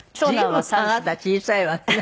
随分あなた小さいわね。